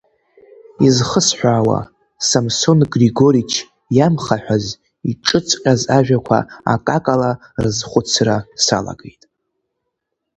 Изхысҳәаауа, Самсон Григорич иамхаҳәаз, иҿыҵҟьаз ажәақәа акакала рызхәыцра салагеит.